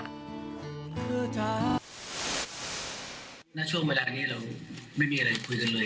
ในช่วงเวลานี้เราไม่มีอะไรคุยกันเลย